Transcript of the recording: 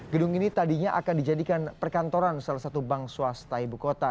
gedung ini tadinya akan dijadikan perkantoran salah satu bank swasta ibu kota